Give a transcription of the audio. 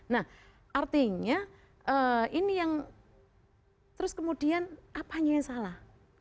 nah artinya ini yang terus kemudian apanya yang salah